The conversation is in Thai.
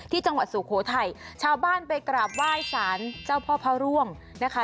จังหวัดสุโขทัยชาวบ้านไปกราบไหว้สารเจ้าพ่อพระร่วงนะคะ